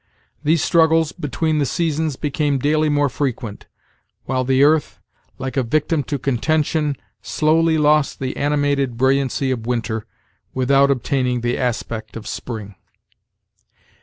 These struggles between the seasons became daily more frequent, while the earth, like a victim to contention, slowly lost the animated brilliancy of winter, without obtaining the aspect of spring.